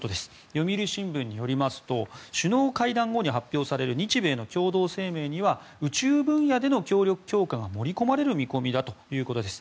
読売新聞によりますと首脳会談後に発表される日米の共同声明には宇宙分野での協力強化が盛り込まれる見込みだということです。